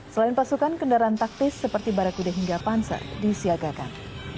selain pasukan kendaraan taktis seperti barakuda hingga panser disiagakan